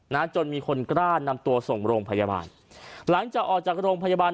จนมีคนกล้านำตัวส่งโรงพยาบาลหลังจากออกจากโรงพยาบาล